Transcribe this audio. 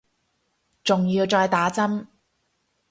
仲要再打針